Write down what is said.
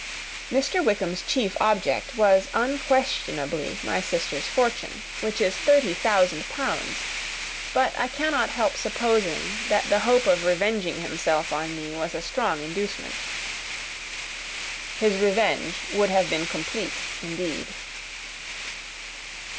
Mr. Wickham's chief object was unquestionably my sister's fortune, which is thirty thousand pounds; but I cannot help supposing that the hope of revenging himself on me was a strong inducement. His revenge would have been complete indeed.